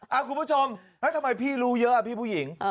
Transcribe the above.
คุณผู้ชมแล้วทำไมพี่รู้เยอะอะพี่ผู้หญิง